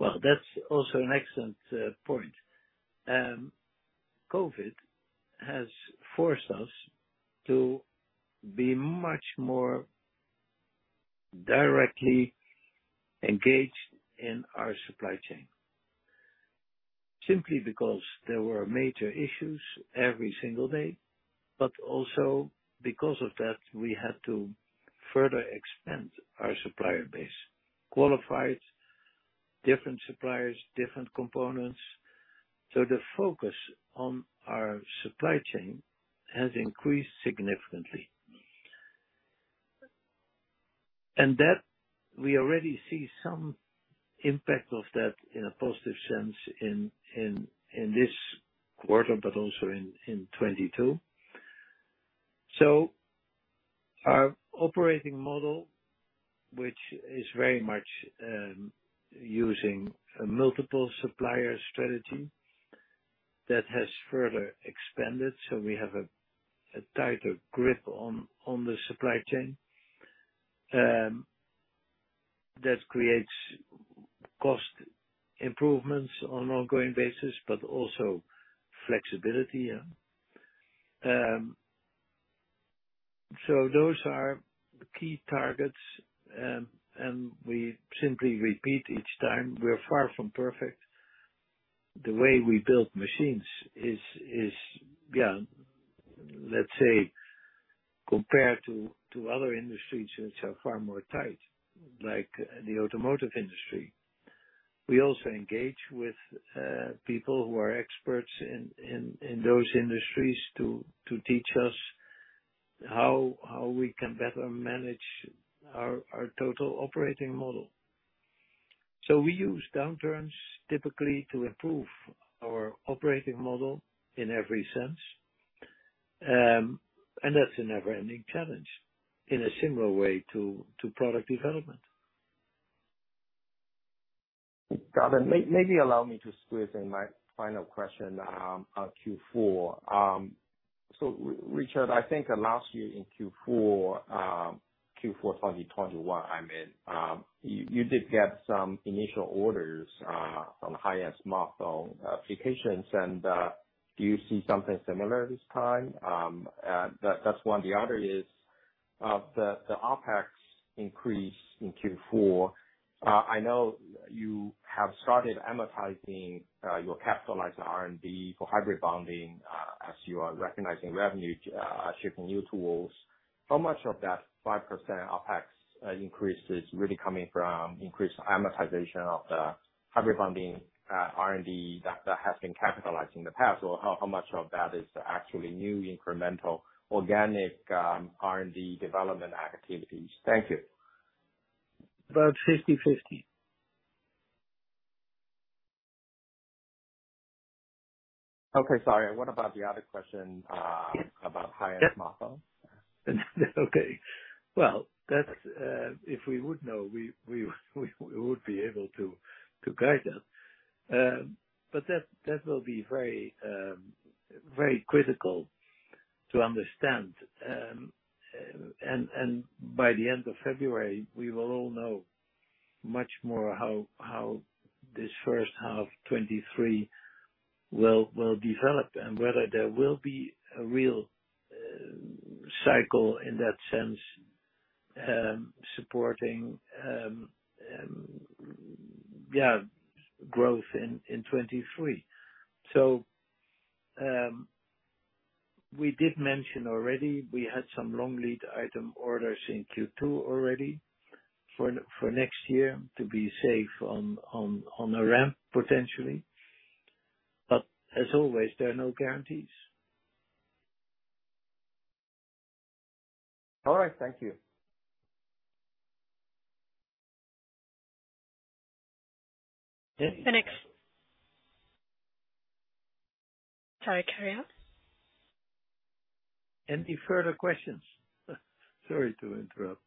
B: Well, that's also an excellent point. COVID has forced us to be much more directly engaged in our supply chain, simply because there were major issues every single day, but also because of that, we had to further expand our supplier base. Qualify different suppliers, different components. The focus on our supply chain has increased significantly. That, we already see some impact of that in a positive sense in this quarter, but also in 2022. Our operating model, which is very much using a multiple supplier strategy, that has further expanded, so we have a tighter grip on the supply chain. That creates cost improvements on ongoing basis, but also flexibility. Those are key targets. We simply repeat each time, we're far from perfect. The way we build machines is, yeah, let's say compared to other industries which are far more tight, like the automotive industry. We also engage with people who are experts in those industries to teach us how we can better manage our total operating model. We use downturns typically to improve our operating model in every sense. That's a never-ending challenge in a similar way to product development.
I: Got it. Maybe allow me to squeeze in my final question on Q4. So Richard, I think last year in Q4 2021, I mean, you did get some initial orders from high-end smartphone applications, and do you see something similar this time? That's one. The other is the OpEx increase in Q4. I know you have started amortizing your capitalized R&D for hybrid bonding as you are recognizing revenue shipping new tools. How much of that 5% OpEx increase is really coming from increased amortization of the hybrid bonding R&D that has been capitalized in the past? Or how much of that is actually new incremental organic R&D development activities? Thank you.
B: About 50/50.
I: Okay. Sorry, what about the other question, about high-end smartphone?
B: Okay. Well, that's if we would know, we would be able to guide that. That will be very, very critical to understand. By the end of February, we will all know much more how this first half 2023 will develop and whether there will be a real cycle in that sense, supporting growth in 2023. We did mention already we had some long lead item orders in Q2 already for next year to be safe on a ramp potentially. As always, there are no guarantees.
I: All right. Thank you.
B: Any-
A: Sorry, carry on.
B: Any further questions? Sorry to interrupt.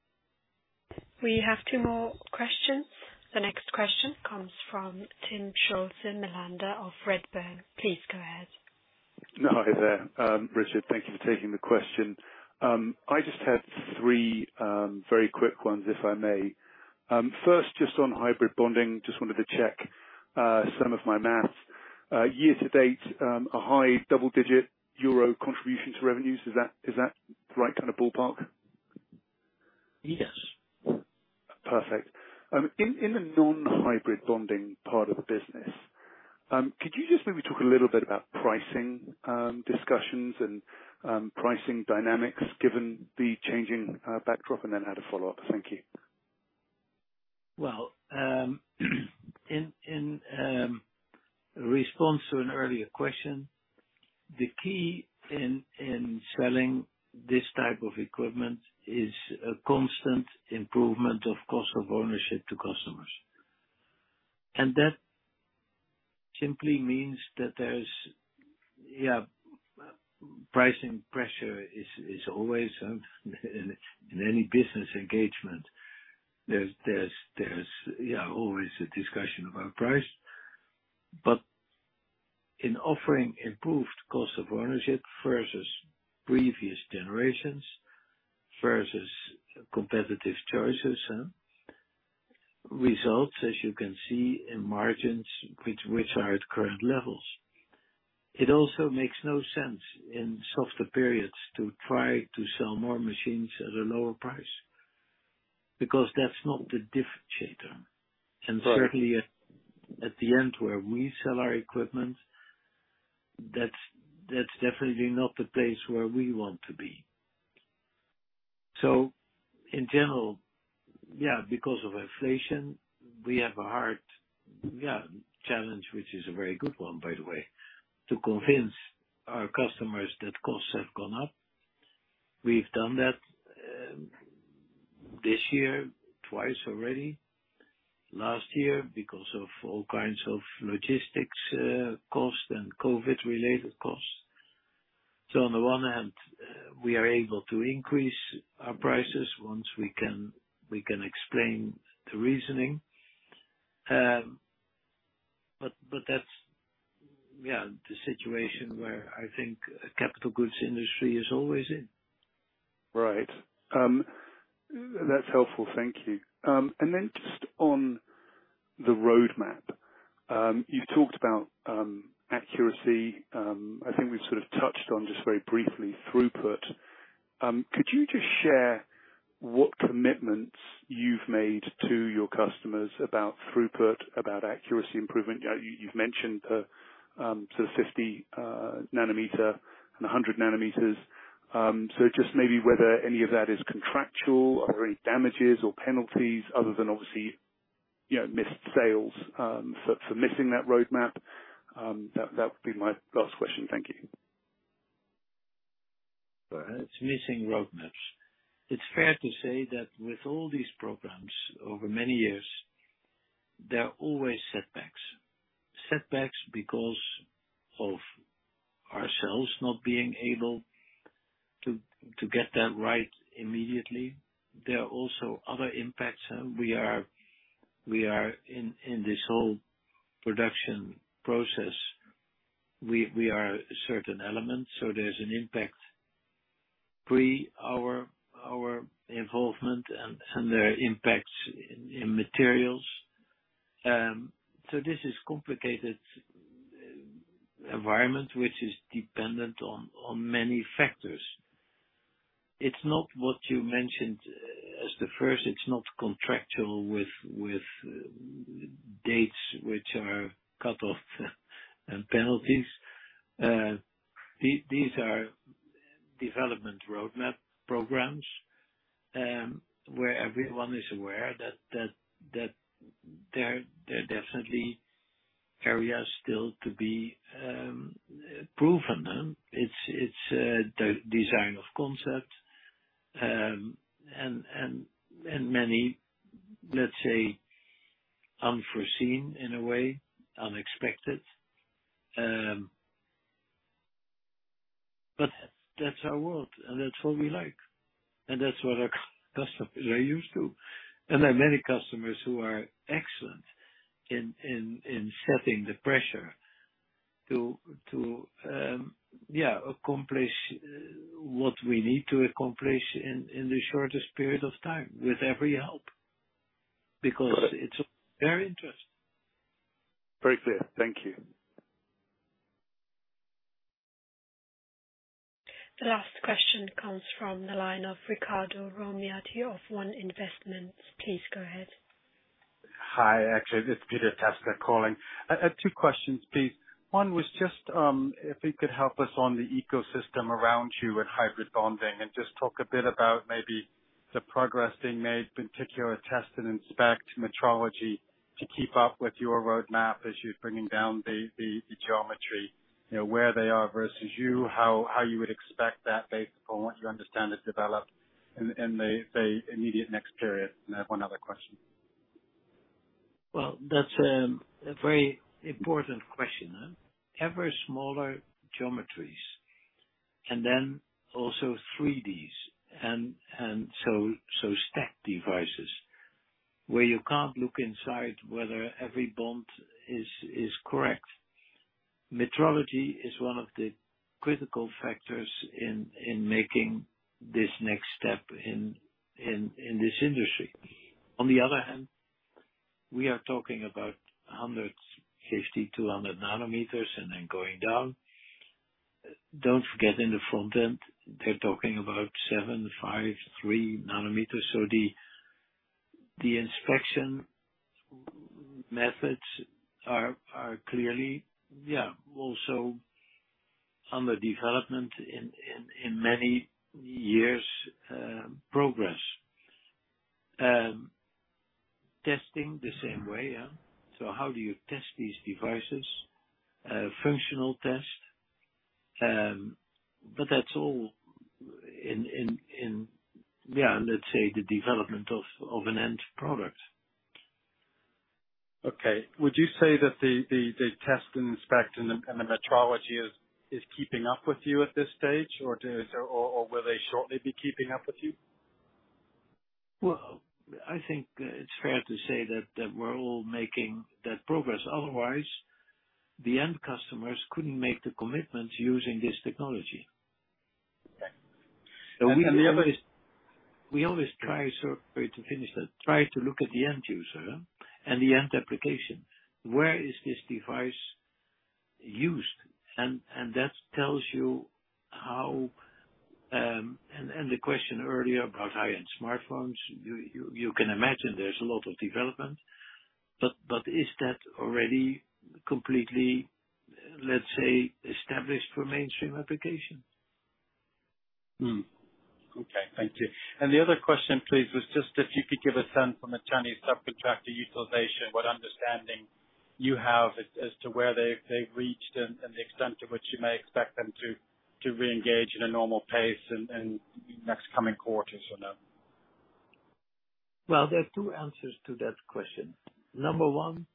A: We have two more questions. The next question comes from Timm Schulze-Melander of Redburn. Please go ahead.
J: Hi there. Richard, thank you for taking the question. I just had three very quick ones, if I may. First, just on hybrid bonding, just wanted to check some of my math. Year-to-date, a high double-digit euro contribution to revenues. Is that the right kind of ballpark?
B: Yes.
J: Perfect. In the non-hybrid bonding part of the business, could you just maybe talk a little bit about pricing discussions and pricing dynamics given the changing backdrop, and then I had a follow-up. Thank you.
B: Well, in response to an earlier question, the key in selling this type of equipment is a constant improvement of cost of ownership to customers. That simply means that there's pricing pressure is always in any business engagement. There's always a discussion about price. In offering improved cost of ownership versus previous generations, versus competitive choices, results, as you can see in margins which are at current levels. It also makes no sense in softer periods to try to sell more machines at a lower price because that's not the differentiator.
J: Right.
B: Certainly at the end where we sell our equipment, that's definitely not the place where we want to be. In general, because of inflation, we have a hard challenge, which is a very good one, by the way, to convince our customers that costs have gone up. We've done that this year twice already, last year because of all kinds of logistics costs and COVID-related costs. On the one hand, we are able to increase our prices once we can explain the reasoning. But that's the situation where I think capital goods industry is always in.
J: Right. That's helpful. Thank you. Just on the roadmap. You've talked about accuracy. I think we've sort of touched on just very briefly throughput. Could you just share what commitments you've made to your customers about throughput, about accuracy improvement? You've mentioned sort of 50 nanometer and 100 nanometers. Just maybe whether any of that is contractual, are there any damages or penalties other than obviously, you know, missed sales for missing that roadmap? That would be my last question. Thank you.
B: It's missing roadmaps. It's fair to say that with all these programs over many years, there are always setbacks. Setbacks because of ourselves not being able to get that right immediately. There are also other impacts, and we are in this whole production process, we are a certain element, so there's an impact pre our involvement and there are impacts in materials. So this is complicated environment which is dependent on many factors. It's not what you mentioned as the first. It's not contractual with dates which are cut off and penalties. These are development roadmap programs, where everyone is aware that there are definitely areas still to be proven. It's the design of concept. Many, let's say, unforeseen in a way, unexpected. That's our world, and that's what we like. There are many customers who are excellent in setting the pressure to accomplish what we need to accomplish in the shortest period of time with every help because.
J: Right.
B: It's of their interest.
J: Very clear. Thank you.
A: The last question comes from the line of Riccardo Romiati of One Investments. Please go ahead.
K: Hi. Actually, it's Peter Tasker calling. I had two questions, please. One was just if you could help us on the ecosystem around you with hybrid bonding and just talk a bit about maybe the progress being made, in particular test and inspect metrology to keep up with your roadmap as you're bringing down the geometry, you know, where they are versus you, how you would expect that based upon what you understand has developed in the immediate next period. I have one other question.
B: Well, that's a very important question. Ever smaller geometries, and then also 3Ds, and stack devices where you can't look inside whether every bond is correct. Metrology is one of the critical factors in making this next step in this industry. On the other hand, we are talking about 150, 200 nanometers and then going down. Don't forget, in the front end, they're talking about 7, 5, 3 nanometers. The inspection methods are clearly also under development in many years' progress. Testing the same way. How do you test these devices? A functional test, but that's all in, let's say the development of an end product.
K: Okay. Would you say that the test and inspect and the metrology is keeping up with you at this stage, or is there, or will they shortly be keeping up with you?
B: Well, I think it's fair to say that we're all making that progress. Otherwise, the end customers couldn't make the commitment to using this technology.
K: Okay.
B: We always try, sir, to look at the end user and the end application. Where is this device used? That tells you how. The question earlier about high-end smartphones, you can imagine there's a lot of development, but is that already completely, let's say, established for mainstream application?
K: Thank you. The other question, please, was just if you could give a sense on the Chinese subcontractor utilization, what understanding you have as to where they've reached and the extent to which you may expect them to reengage at a normal pace in next coming quarters or no?
B: Well, there are two answers to that question. Number one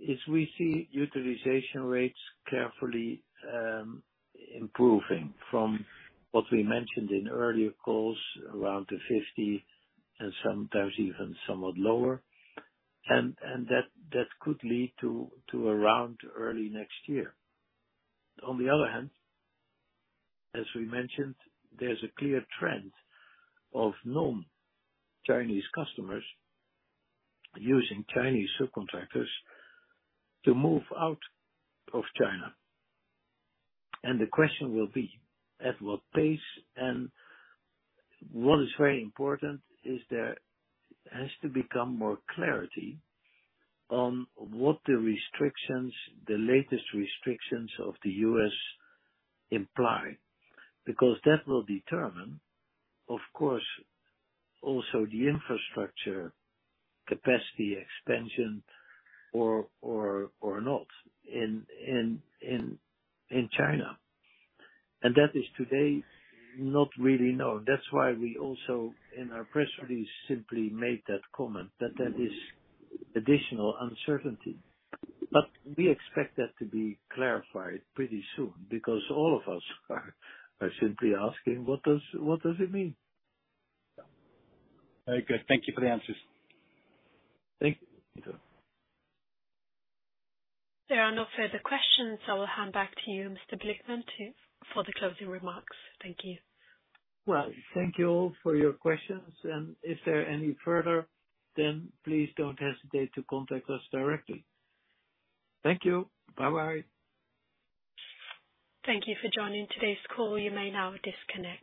B: is we see utilization rates carefully improving from what we mentioned in earlier calls, around the 50 and sometimes even somewhat lower, and that could lead to around early next year. On the other hand, as we mentioned, there's a clear trend of non-Chinese customers using Chinese subcontractors to move out of China. The question will be at what pace. What is very important is there has to become more clarity on what the restrictions, the latest restrictions of the U.S. imply, because that will determine, of course, also the infrastructure capacity expansion or not in China. That is today not really known. That's why we also, in our press release, simply made that comment that that is additional uncertainty but we expect that to be clarified pretty soon because all of us are simply asking, "What does it mean?
K: Very good. Thank you for the answers.
B: Thank you.
A: There are no further questions. I will hand back to you, Mr. Blickman, for the closing remarks. Thank you.
B: Well, thank you all for your questions, and if there are any further, then please don't hesitate to contact us directly. Thank you. Bye-bye.
A: Thank you for joining today's call. You may now disconnect.